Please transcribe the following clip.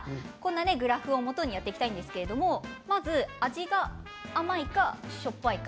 グラフをもとにやっていきたいんですけれども味が、甘いかしょっぱいか。